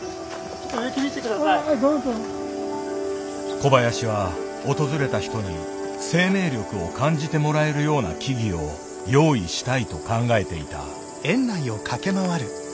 小林は訪れた人に生命力を感じてもらえるような木々を用意したいと考えていた。